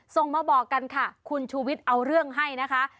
ส่งมาบอกกันค่ะคุณชูวิทย์เอาเรื่องให้นะคะ